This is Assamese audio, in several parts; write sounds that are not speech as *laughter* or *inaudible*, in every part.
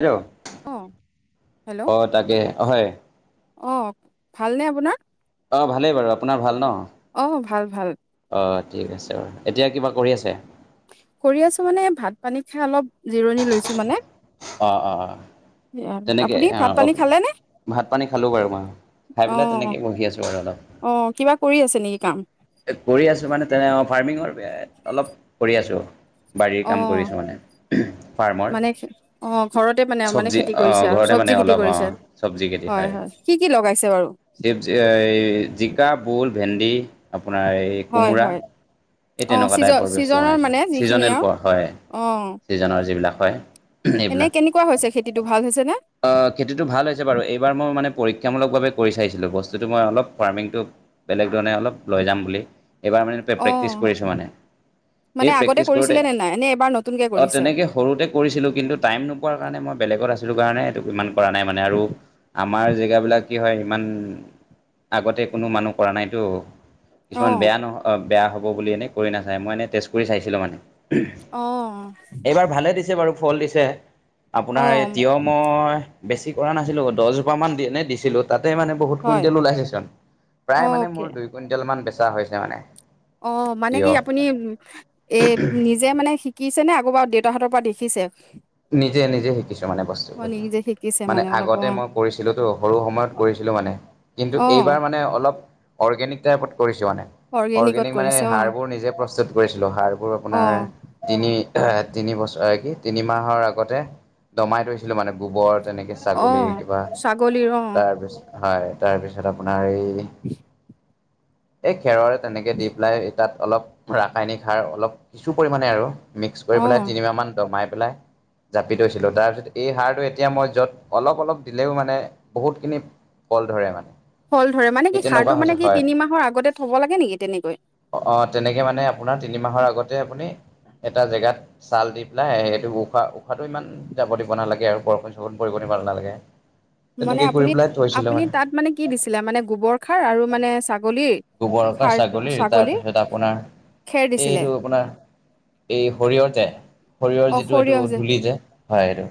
হেল্ল' অঁ হেল্ল' অ তাকে হয় অঁ ভালনে আপোনাৰ অঁ ভালেই বাৰু আপোনাৰ ভাল ন অঁ ভাল ভাল অঁ ঠিক আছে বাৰু এতিয়া কিবা কৰি আছে কৰি আছো মানে ভাত পানী খাই অলপ জিৰণি লৈছো মানে অ অ অ তেনেকে আপুনি ভাত আহ অ পানী খালেনে ভাত পানী খালো বাৰু মই খাই পেলাই অঁ তেনেকে বহি আছো আৰু অলপ অঁ কিবা কৰি আছে নেকি কাম কৰি আছো মানে তেনে অ ফাৰ্মিঙৰ অলপ কৰি আছোঁ বাৰীৰ কাম অঁ কৰিছোঁ মানে ফাৰ্মৰ অ ঘৰতে মানে মানে চব্জি খেতি কৰিছে অ' আৰু ঘৰতে চব্জি মানে খেতি অলপ কৰিছে অ' হয় হয় কি কি লগাইছে বাৰু চিকা, ভুল, ভেন্দি আপোনাৰ এই এই হয় কোমোৰা হয় এই অঁ তেনেকুৱা ছিজ টাইপৰ বস্তু ছিজনৰ বনাইছো মানে যিখিনি চিজনেল আৰু প হয় অঁ যিজনৰ যিবিলাক হয় এনে এইবিলাক কেনেকুৱা হৈছে খেতিটো ভাল হৈছে নে খেতিটো ভাল হৈছে বাৰু এইবাৰ মই মানে পৰীক্ষামূলকভাৱে কৰি চাইছিলোঁ বস্তুটো মই অলপ ফাৰ্মিংটো বেলেগ ধৰণে অলপ লৈ যাম বুলি এইবাৰ মানে অঁ প্ৰেক্টিস কৰিছোঁ মানে মানে এ আগতে প্ৰেক্টিস কৰোঁতে কৰিছিলে নে নাই নে এবাৰ নতুনকে অ কৰিছে তেনেকে সৰুতে কৰিছিলোঁ কিন্তু টাইম নোপোৱাৰ কাৰণে মই বেলেগত আছিলোঁ কাৰণে এইটো ইমান কৰা নাই মানে আৰু আমাৰ জেগাবলাক কি হয় ইমান আগতে কোনো মানুহ কৰা নাইতো কিছুমান অঁ বেয়া নহ বেয়া হ'ব বুলি এনেই কৰি নাচায় মই এনেই টেষ্ট কৰি চাইছিলোঁ মানে অ এইবাৰ ভালে দিছে বাৰু ফল দিছে আপোনাৰ অঁ এই তিয়হৰ মই বেছি কৰা নাছিলো দহ জোপা মান এনে দিছিলো তাতে মানে বহুত হয় কুইন্টেল ওলাইছেচোন প্ৰায় মানে অ'কে মোৰ দুই কুইন্টেল মান বেচা হৈছে মানে অ মানে কি তিয়হ আপুনি এ নি নিজে মানে শিকিছে নে আকৌ বাৰ দেউতাহঁতৰ পৰা দেখিছে নিজে নিজে শিকিছো মানে অ' বস্তুবিলাকো নিজে শিকিছে মানে অলপ আগতে অ' মই কৰিছিলোঁতো সৰু সময়ত কৰিছিলোঁ মানে কিন্তু এইবাৰ অ' মানে অলপ অৰ্গেনিক টাইপত কৰিছো মানে অৰ্গেনিকত অৰ্গেনিক মানে কৰিছে অ' সাড়বোৰ নিজে প্ৰস্তুত কৰিছিলো সাড়বোৰ আপোনাৰ অ' তিনি তিনি বছৰ কি তিনিমাহৰ আগতে দমাই থৰিছিলো মানে গোবৰ তেনেকে ছাগলী অ' কিবা, ছাগলীৰ অ' তাৰপিছত হয় তাৰপিছত আপোনাৰ এই এই খেৰৰে তেনেকে দি পেলাই এই তাত অলপ ৰাসায়নিক সাৰ অলপ কিছু পৰিমণে আৰু। মিক্স কৰি পেলাই অ' তিনমাহমান দমাই পেলাই জাপি থৈছিলোঁ। তাৰপিছত এই সাৰটো এতিয়া মই য'ত অলপ অলপ দিলেও মানে বহুতখিনি ফল ধৰে মানে। ফল ধৰে মানে সেই কি, তেনেকুৱা সাৰটো হৈছে মানে কি হয় তিনি মাহৰ আগতে থব লাগে নেকি তেনেকৈ? অ তেনেকে মানে আপোনাৰ তিনি মাহৰ আগতে আপুনি এটা জেগাত ছাল দি পেলাই সেইটো বু উশাহ উশাহটো ইমান যাব দিব নালাগে আৰু বৰষুণ চৰষুণ পৰিব দিব নালাগে। মানে তেনেকে আপুনি কৰি পেলাই থৈছিলে আপুনি মানে। তাত কি দিছিলে মানে? গোবৰ খাৰ আৰু মানে ছাগলীৰ গোবৰ সাৰ ছাগলীৰ তাৰপিছত আপোনাৰ খেৰ দিছিলে এইটো আপোনাৰ এই শৰিয়হৰ যে সৰিয়হৰ অ' যিটো এইটো সৰিয়হ ধূলি যে হয় এইটো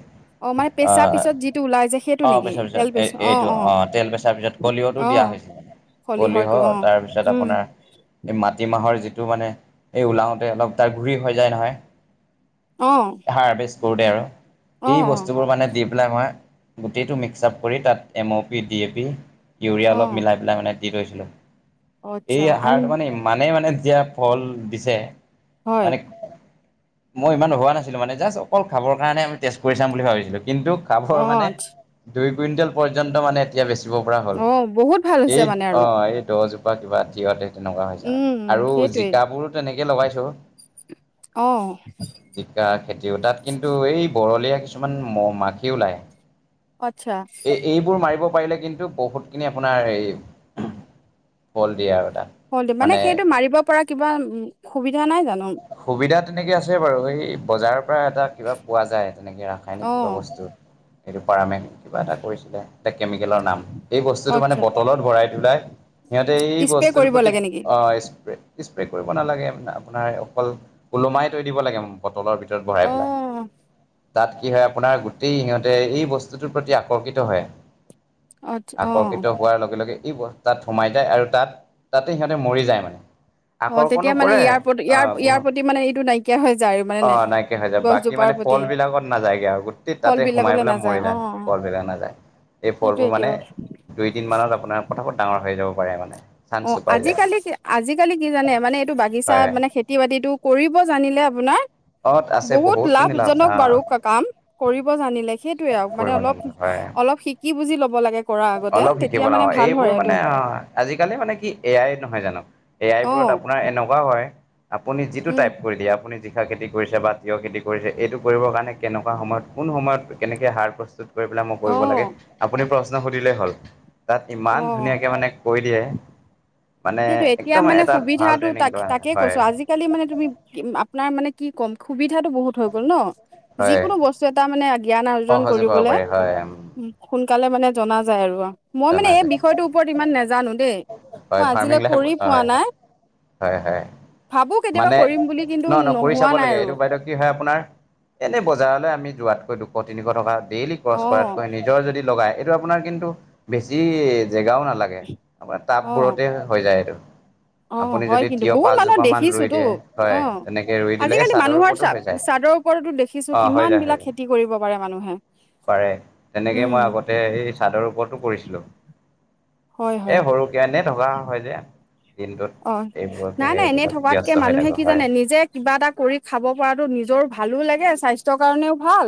অ' মানে পেচাৰ আহ পিছত যিটো ওলাই যে সেইটো অ নেকি বেচাৰ পিছত তেল পেচ এই এইটো অ তেল বেচাৰ পিছত কলিহতটো দিয়া অ' হৈ হৈছে, কলিহ খলিহৰটো অ তাৰপিছত উম আপোনাৰ এই মাটি মাহৰ যিটো মানে এই ওলাওতে অলপ তাৰ ঘূৰি হৈ যায় নহয়। *inaudible* অ। *unintelligible* অ অ সেই অ বস্তুবোৰ মানে দি পেলাই মই গোটেইটো মিক্স আপ কৰি তাত M O P, D A P urea অ অলপ মিলাই পেলাই মানে দি থৈছিলোঁ। আচ্ছা এই আম সাৰটো মানে ইমানে মানে এ তিয়া ফল দিছে হয় মানে মই ইমান হোৱা নাছিলোঁ মানে জাষ্ট অকল খাবৰ কাৰণে আমি টেষ্ট কৰি চাম বুলি ভাবিছিলোঁ। কিন্তু কাবৰ অ মানে আচ্ছা দুই কুইণ্টেল পৰ্যন্ত মানে এতিয়া বেচিব পৰা হ'ল। অ বহুত ভাল এই হৈছে মানে অ আৰু এই দহজোপ কিবা তিয়তে তেনেকুৱা হৈছে মানে, উম আৰু সেইটোৱে জিকাবোৰো তেনেকে লগাইছো। অ। জিকা খেতিও তাত, কিন্তু এই বৰলীয়া কিছুমান মাখি ওলায়। আতচ্চা। এই এইবোৰ মাৰিব পাৰিলে কিন্তু বহুতখিনি আপোনাৰ এই ফল দিয়ে আৰু তাত। মানে সেইটো মাৰিব পৰা কিবা সুবিধা নাই জানো? সুবিধা তেনেকে আছে বাৰু এই বজাৰৰ পৰা এটা কিবা পোৱা যায়, তেনেকৈ অ ৰাসায়নিক কিবা বস্তু সেইটো পাৰমে কিবা এটা কৰিছিলে এটা কেমিকেলৰ নাম সেই বস্তুটো মানে আচ্ছা বটলত ভৰাই পেলাই সিহঁতে এই স্প্ৰে বস্তুটোৰ কৰিব প্ৰতি লাগে নেকি ইস্প্ৰে ইস্প্ৰে কৰিব নালাগে। আপোনাৰ অকল ওলমাই তৈ দিব লাগে বটলৰ ভিতৰত অ ভৰাই পেলাই। তাত কি হয় আপোনাৰ গোটেই সিহঁতে এই বস্তুটোৰ প্ৰতি আকৰ্ষিত হয়। আচ্ছা অ আকৰ্ষিত হোৱাৰ লগে লগে ই তাত সোমাই যায় আৰু তাত তাতে সিহঁতে মৰি যায় মানে। অ তেতিয়া আকৰ্ষণো মানে কৰে, ইয়াৰ প্ৰতি ইয়াৰ ইয়াৰ আহ প্ৰতি মানে এইটো নাইকিয়া হৈ যায় আৰু মানে নে অ' নাইকিয়া হৈ যায়। বাক বাকী গছজোপাৰ মানে প্ৰতি ফল বিলাকত নাযায়গে আৰু গোটেই ফল তাতে সোমাই বিলাকলে পেলাই মৰি যায় ফল বিলাক নাযায়। এই ফলবোৰ সেইটোৱেই মানে দিয়ক। দুই দিন মানত আপোনাৰ ফটাফট ডাঙৰ হৈ যাব পাৰে মানে। অ চান্সটো পাই যায় আজিকালি আজিকালি কি জানে মানে এইটো বাগিচা হয় মানে খেতি খেতি বাতিটো কৰিব জানিলে আপোনাৰ অ আছে বহুত খিনি লাভ আছে লাভজনক অ বাৰু কা-কাম কৰিব জানিলে সেইটোয়ে আৰু মানে কৰিব অলপ জানিলে হয় অলপ শিকি বুজি ল'ব লাগে। কৰা আগতে অলপ শিকিব তেতিয়া ল মানে ভাল এইবোৰ হয় মানে এইটো অ'। আজিকালি মানে কি এ আই নহয় জানো, এ আই অ বোৰত আপোনাৰ এনেকুৱাও হয় আপুনি যিটো টাইপ উম কৰি দিয়ে আপুনি জিকা খেতি কৰিছে বা তিঁয়হ খেতি কৰিছে এইটো কৰিবৰ কাৰণে কেনেকুৱা সময়ত কোন সময়ত কেনেকৈ সাৰ প্ৰস্তুত কৰি পেলাই মই অ কৰিব লাগে আপুনি প্ৰশ্ন সুধিলেই হ'ল, তাত অ ইমান ধুনীয়াকে মানে কৈ দিয়ে মানে সেইটো এতিয়া একদম মানে এটাত ভাল সুবিধাটো ট্ৰেইনিং তাক লোৱা তাকে হয়। কৈছো আজিকালি মানে তুমি আপোনাৰ মানে কি কম সুবিধাটো বহুত হৈ গ'ল ন'। হয় যিকোনো বস্তু এটা মানে জ্ঞান আৰ্জন সহজে পাব কৰিবলৈ পাৰি হয় উম, সোনকালে মানে জনা যায় আৰু, মই মানে জনা এই যায় বিষয়টোৰ ওপৰত ইমান নাজানো দেই হয় মই ফাৰ্মিং আজিলৈ লাইফ কৰি পোৱা হয়। নাই হয় হয় ভাবো কেতিয়াবা মানে কৰিম বুলি কিন্তু ন ন কৰি নোহোৱা চাব নাই লাগে। আৰু এইটো বাইদেউ কি হয় আপোনাৰ এনেই বজাৰলৈ আমি যোৱাতকৈ দুশ তিনিশ টকা ডেইলি খৰচ অ কৰাতকৈ নিজৰ যদি লগাই, এইটো আপোনাৰ কিন্তু বেছি জেগাও নালাগে, আপো অ টাববোৰতে হৈ যায় এইটো। অ আপুনি হয় যদি কিন্তু তিঁয়হ বহুত মানুহ পাঁচজোপা মান ৰুই দেখিছোতো দিয়ে, অ হয় তেনেকে ৰুই দিলে এই আজিকালি চাদৰ মানুহৰ চা ওপৰতো হৈ যায়। চাদৰ ওপৰতো দেখিছো অ হৈ কিমান যায় হৈ বিলাক যায় খেতি কৰিব পাৰে মানুহে। পাৰে। তেনেকে মই উম আগতে এই চাদৰ ওপৰতো কৰিছিলো হয় এ হয় সৰুকে, এনে থকা হয় যে। দিনটোত অ' এইবোৰকে নাই নাই এনেই এইবিলাক থকাতকে ব্যস্ত হৈ মানুহে থাকো কি হয় জানে নিজে কিবা এটা কৰি খাব পৰাতটো নিজৰ ভালো লাগে স্বাস্থৰ কাৰণেও ভাল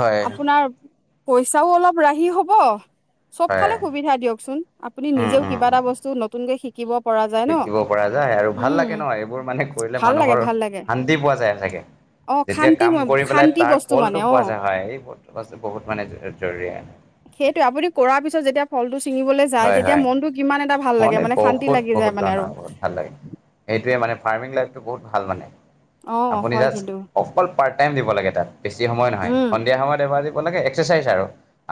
হয় আপোনাৰ পইচাও অলপ ৰাহি হব চব হয় ফালে সুবিধা দিয়কচোন। আপুনি উম নিজেও কিবা উম এটা বস্তু নতুনকে শিকিব পৰা যায় ন শিকিব পৰা যায়। আৰু ভাল উম লাগে ন, এইবোৰ মানে কৰিলে ভাল লাগে মানুহৰ ভাল লাগে শান্তি পোৱা যায় চাগে। অ যেতিয়া শান্তি কাম মই কৰি পেলাই শান্তি তাৰ বস্তু মানে ফলটো অ পোৱা যায় হয় এই বহুত মানে জৰুৰী হয়। সেইটোৱে, আপুনি কৰাৰ পিছত যেতিয়া ফলটো ছিঙিবলৈ যায় হয় তেতিয়া হয় মনতটো কিমান এটা ভাল লাগে মনে মানে শান্তি বহুত লাগি বহুত যায় মানে আৰ। ধৰণৰ বহুত ভাল লাগে সেইটোৱে, মানে ফাৰ্মিং লাইফটো বহুত ভাল মানে অ আপুনি হয় জাষ্ট কিন্তু অকল পাৰ্ট টাইম দিব লাগে তাত। বেছি সময় নহয় উম সন্ধিয়া সময়ত এবাৰ দিব লাগে এক্সাৰচাইজ আৰু।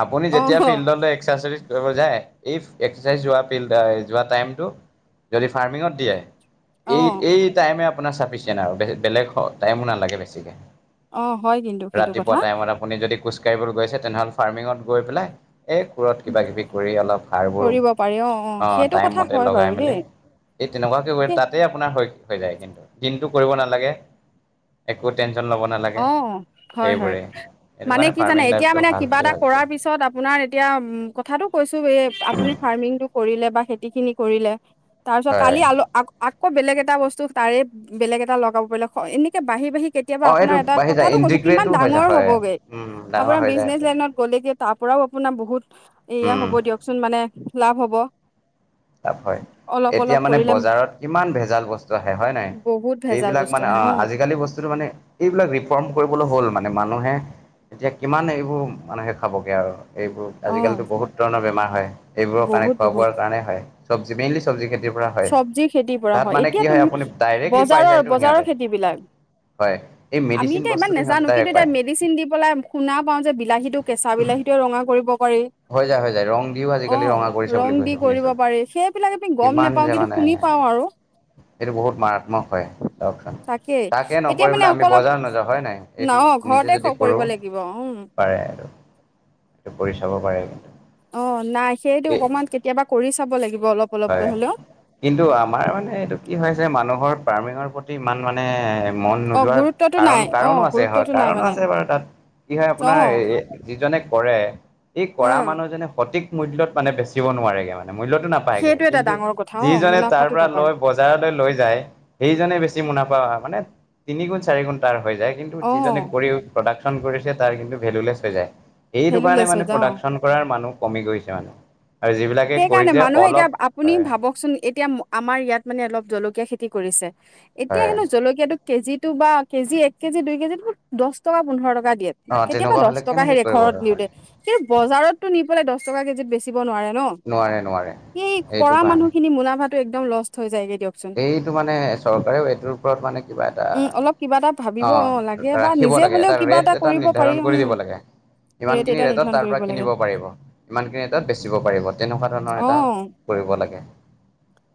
আপুনি অ যেতিয়া ফিল্ডলৈ এক্সাৰচাইজ কৰিব যায়, এই যোৱা ফিল্ডাই যোৱা টাইম টো যদি ফাৰ্মিং দিয়ে, অ এই এই টাইমে আপোনাৰ চাফিচিয়ে আৰু বেলেগ টাইমো নালাগে বেছিকে। অ হয় কিন্তু সেইটো কথা ৰাতিপুৱা টাইমত আপুনি যদি খোজ কঢ়িবলৈ গৈছে, তেনেহ'লে ফাৰ্মিঙত গৈ পেলাই এই কোৰত কিবা কিবি কৰি অলপ সাৰবোৰ কৰিব পাৰি অ অ অঁ সেইটো কথা টাইম মতে হয় বাৰু লগাই দেই মেলি এই তেনেকুৱাকে গৈ সেই তাতে আপোনাৰ হৈ যায় কিন্তু, দিনটো কৰিব নালাগে। একো টেনশ্যন ল'ব ন অ' হয় হয়। সেইটো মানে কাৰণে কি জানে ফাৰ্মিং এতিয়া লাইফটো মানে ভাল কিবা বুলি এটা ভাবিছো কৰাৰ পিছত আপোনাৰ এতিয়া উম কথাটো কৈছো এই আপুনি ফাৰ্মিংটো কৰিলে বা খেতি খিনি কৰিলে তাৰ পিছত হয় কালি আলো আক আকৌ বেলেগ এটা বস্তু তাৰে বেলেগ এটা লগাব পাৰিলে, হয় এনেকে বাঢ়ি বাঢ়ি কেতিয়া অ আপোনাৰ এইটো এটা বাঢ়ি যায় কথাটো কৈছো, কিমান ইণ্টিগ্ৰেটো হৈ ডাঙৰ যায় হয় হ'বগে উম ডাঙৰ আপোনাৰ হৈ যায় বিজনেছ সেইটো। লাইনত গ'লেগে তাৰ পৰাও আপোনাৰ বহুত এয়া উম হ'ব দিয়কচোন মানে লাভ হ'ব। লাভ হয়। অলপ এতিয়া অলপ মানে কৰিলে বজাৰত কিমান ভেজাল বস্তু আহে হয় নাহয়? বহুত ভেজাল এইবিলাক বস্তু মানে আহে অ আজিকালি বস্তুটো মানে এইবিলাক ৰিফৰ্ম কৰিবলৈ হ'ল, মানে মানুহে এতিয়া কিমান এইবোৰ মানুহে খাবগে আৰু। এইবোৰ অ আজিকালিতো বহুত ধৰণৰ বেমাৰ হয় এইবোৰৰ কাৰণে খোৱা বোৱাৰ কাৰণেই হয়। চব্জি মেইনলি চব্জি খেতিৰ পৰা হয় চবজি খেতি পৰা তাত হয়, মানে এতিয়া কি তুমি আপুনি ডাইৰেক্টলি পাই বজাৰৰ যায়তো বজাৰৰ সিহঁতে খেতি বিলাক, হয় এই আমি মেডিচিন এতিয়া ইমান বস্তুটো সিহঁতে নেজানো। কিন্তু ডাইৰেক্ট এতিয়া পায় মে ডিচিন দি পেলাই শুনা পাওঁ যে বিলাহীটো কেঁচা বিলাহীটোও ৰঙা কৰিব পাৰি। হৈ যায় হৈ যায় ৰং দিও অ' আজিকালি ৰঙা কৰিছে বুলি ৰং দি কৈছে কৰিব শুনিছো পাৰি। সেইবিলাক আমি গ'ম নেপ পাওঁ কিন্তু শুনি পাওঁ আৰু। সেইটো বহুত মাৰাত্মক হয় চাওকচোন, তাকেই তাকে এতিয়া মানে নকৰিবলৈ আমি অলপ বজাৰ নযাওঁ হয় নাই? ন এইটো ঘৰতে নিজে যদি কৰিব কৰোঁ লাগিব উম পাৰে কৰি চা'ব পাৰে। অ' নাই সেইটো এই অকমান কেতিয়াবা কৰি চাব লাগিব অলপ অলপকৈ হয়, হলেও কিন্তু আমাৰ মানে এইটো কি হয়, যে মানুহ ফাৰ্মিঙৰ প্ৰতি ইমান মানে এ মন অ নোযোৱাৰ গুৰুত্বটো নাই কাৰণ অ কাৰণো আছে হয়, গুৰুত্বটো নাই কাৰণো মানে আছে বাৰু তাত কি হয়, অ আপোনাৰ এ এ যিজনে কৰে সেই অ কৰা মানুহজনে সঠিক মূল্যয়ত মানে বেচিব নোৱাৰেগে মানে মূল্যয়তো নাপ সেইটো এটা কিন্তু ডাঙৰ কথা অ যিজনে তাৰ মুনাফাটো পৰা নাপায় লয় বজাৰলৈ লৈ যায় সেইজনে বেছি মুনাফা মানে তিনি গুণ চাৰি গুণ তাৰ হৈ যায় কিন্তু অ কিন্তু যিজনে কৰি প্ৰদাক্শন কৰিছে, তাৰ কিন্ত ভেলুলেছ হৈ যায়। সেইটো কাৰণে ভেলুলেছ মানে হৈ যাওঁ প্ৰডাক্শন কৰাৰ মানুহ কমি গৈছে মানে, আৰু যিবিলাক সেইকাৰণে মানুহে এতিয়া আপ আপুনি ভাৱকচোন, এতিয়া আমাৰ ইয়াত মানে অলপ জলকীয়া খেতি কৰিছে। এতিয়া হয় হেনো জলকীয়াটো কেজিটো বা কেজি এক কেজি দুই কেজিত দহ টকা পোন্ধৰ টকা দিয়ে। অ কেতিয়াবা তেনেকুৱা দছ হলে টকা কেনেকে হে দিয়ে কৰিব ঘৰত হয় নিওঁতে। কিন্তু বজাৰতটো নি পেলাই দছ টকা কেজিত বেচিব নোৱাৰে ন। নোৱাৰে নোৱাৰে। সেই এইটো কৰা কাৰণে মানুহ খিনি মুনাফাটো একদম লোষ্ট হৈ যায়গে দিয়কচোন। এইটো মানে চৰকাৰেও এইটোৰ ওপৰত মানে কিবা এটা উম অলপ কিবা এটা ভাবিব লাগে অ' বা ৰাখিব নিজে লাগে হলেও এটা কিবা ৰেট এটা কৰিব নি পাৰি ধাৰণ উম কৰি দিব লাগে। ৰেট ইমানখিনি এটা ৰেটত নিৰ্ধাৰণ তাৰ কৰিব পৰা লাগে কিনিব পাৰিব। ইমানখিনি ৰেটত বেচিব পাৰিব। তেনেকোৱা ধৰণৰ এটা অ কৰিব লাগে।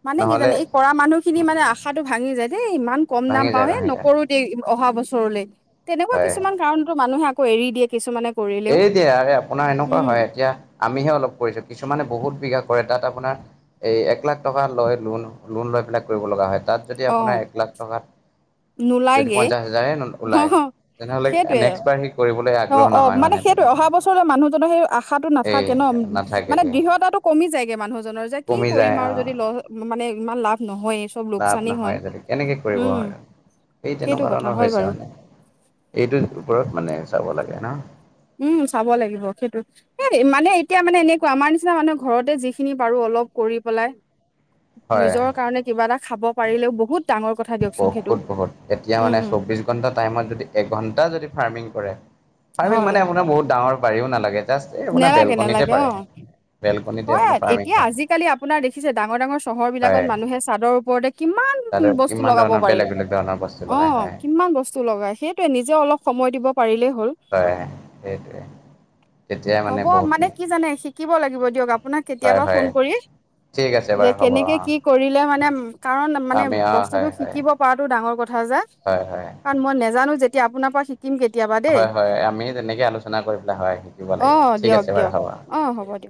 মানে কি নহ'লে জানে এই কৰা মানুহখিনি উম মানে আশাটো ভাঙি যায়। দেই ইমান কম দাম ভাঙি পাওঁ যায় হে ভাঙি যায় নকৰো এই অহা বছৰলে তেনেকুৱা হয় কিছুমান কাৰণতো মানুহে আকৌ এৰি দিয়ে কিছুমানে কৰিলেও এই দিয়ে হে‌ আপোনাৰ এনেকুৱা উম হয় এতিয়া আমিহে অলপ কৰিছো। কিছুমানে বহুত বিঘা কৰে তাত আপোনাৰ এই এক লাখ টকা লৈ লোন লোন লৈ পেলায় কৰিব লগা হয় তাত এতিয়া অ আপোনাৰ এক লাখ টকাত যদি নোলাইগে পঞ্চাছ হাজাৰে নো অ ওলায় তেনেহলে সেইটোৱে নেক্সট তেতিয়া সি কৰিবলৈ আগ্ৰহ নহয় মানে। ত' তেনেকুৱা অহা বছৰলৈ মানুহজনৰ সেই আশাটো এই নাথাকে ন মানে নাথাকেগে দৃঢ়তাটো কমি যায়গে মানুহজনৰ যে কি কমি কৰিম যায় আৰু অঁ যদি মানে ইমান লাভ নহয়। লাভ নহয় যদি কেনেকৈ কৰিব আৰু সেই সেইটো তেনেকুৱা কথা ধৰণৰ হয় হৈছে বাৰু মানে। এইটো ওপৰত মানে চাব লাগে ন। উম, চাব লাগিব সেইটো। এ মানে এতিয়া মানে এনেকুৱা আমাৰ নিচিনা মানুহ ঘৰতে যিখিনি পাৰো অলপ কৰি পেলাই হয় নিজৰ কাৰণে কিবা এটা খাব পাৰিলেও বহুত ডাঙৰ কথা দিয়ক। বহুত বহুত এতিয়া মানে চৌবিশ ঘন্টা টাইমত যদি এঘন্টা যদি ফাৰ্মিং কৰে ফাৰ্মিং হয় মানে আপোনাৰ বহুত ডাঙৰ পাৰিও নালাগে। জাষ্ট এই আপোনাৰ নেলাগে বেলকনিতে নেলাগে পাৰে অ'। বেলকনিতে আপোনাৰ হয়, ফাৰ্মিং এতিয়া হয় আজিকালি আপোনাৰ দেখিছে ডাঙৰ ডাঙৰ চহৰ বিলাকত হয় মানুহে চাদৰওপৰতে কিমান তাতে বস্তু কিমান লগাব ধৰণৰ পাৰি। বেলেগ বেলেগ ধৰণৰ বস্তু লগাই অ' হয় কিমান বস্তু লগাই সেই এই নিজে অলপ সময় দিব পাৰিলেই হ'ল। হয়, সেইটোৱে তেতিয়াই হ'ব মানে বহুতখিনি কি জানে শিকিব লাগিব দিয়ক আপ আপোনাক হয় কেতিয়াবা হয় ফোন কৰি ঠিক আছে যে বাৰু হ'ব অ কেনেকে কি কৰিলে মানে কাৰণ মানে আমি অ বস্তুটো হয় হয় শিকিব পৰাতটো ডাঙৰ কথা যে হয়, হয়। কাৰন মই নাজানো যেতিয়া আপোনাৰ পৰা শি শিকিম কেতিয়াবা। দেই হয় হয়। আমি তেনেকৈ আলোচনা কৰি পেলাই, হয় শিকিব অ লাগিব ঠিক দিয়ক আছে বাৰু দিয়ক হ'ব। ঠিক অ আছে হ'ব দিয়ক